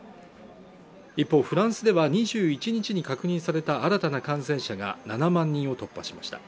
一方フランスでは２１日に確認された新たな感染者が７万人を突破しました